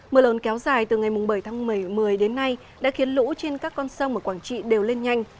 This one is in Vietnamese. mưa lồn kéo dài từ ngày bảy tháng một mươi đến nay đã khiến lũ trên các con sông ở quảng trị đều lên nhanh